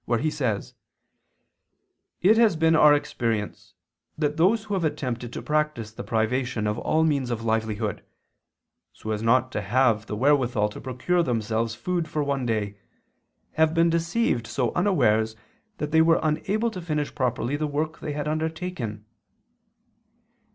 ii, 2), where he says: "It has been our experience that those who have attempted to practice the privation of all means of livelihood, so as not to have the wherewithal to procure themselves food for one day, have been deceived so unawares that they were unable to finish properly the work they had undertaken."